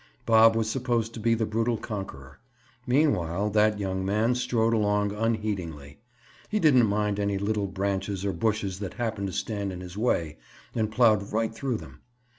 Bob was supposed to be the brutal conqueror. Meanwhile that young man strode along unheedingly. He didn't mind any little branches or bushes that happened to stand in his way and plowed right through them.